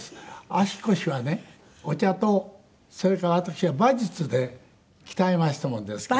足腰はねお茶とそれから私は馬術で鍛えましたもんですから。